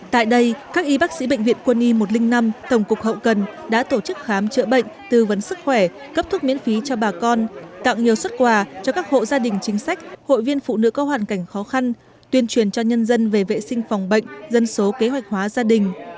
tại đây các y bác sĩ bệnh viện quân y một trăm linh năm tổng cục hậu cần đã tổ chức khám chữa bệnh tư vấn sức khỏe cấp thuốc miễn phí cho bà con tặng nhiều xuất quà cho các hộ gia đình chính sách hội viên phụ nữ có hoàn cảnh khó khăn tuyên truyền cho nhân dân về vệ sinh phòng bệnh dân số kế hoạch hóa gia đình